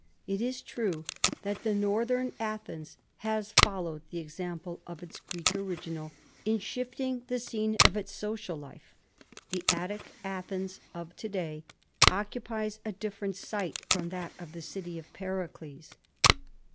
It is true that the Northern Athens has followed the example of its <Jreek original in shifting the scene of its social life. The Attic Athens of to day occupies a different site from that of the city of Pericles.